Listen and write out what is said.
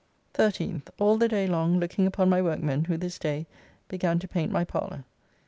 13th. All the day long looking upon my workmen who this day began to paint my parlour.